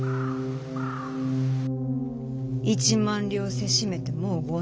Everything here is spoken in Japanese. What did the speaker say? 一万両せしめてもう５年。